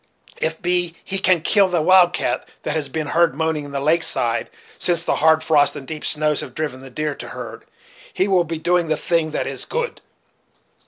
If so be he can kill the wild cat that has been heard moaning on the lake side since the hard frosts and deep snows have driven the deer to herd, he will be doing the thing that is good.